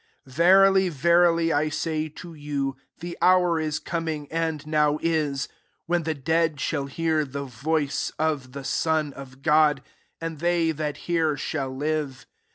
25 •* Verily, verily, I say to you» The hour is coming, and now is, ivhen the dead shall hear the voice of the Son of God ; and they that hear shall live.